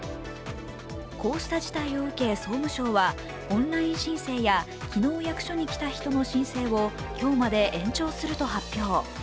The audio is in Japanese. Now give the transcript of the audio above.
こうした事態を受け総務省はオンライン申請や昨日、役所に来た人の申請を今日まで延長すると発表。